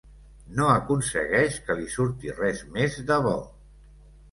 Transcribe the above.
No aconsegueix que li surti res més de bo.